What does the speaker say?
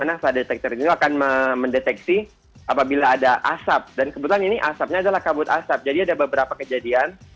karena fire detector ini akan mendeteksi apabila ada asap dan kebetulan ini asapnya adalah kabut asap jadi ada beberapa kejadian